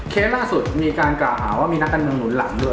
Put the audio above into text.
ล่าสุดมีการกล่าวหาว่ามีนักการเมืองหนุนหลังด้วย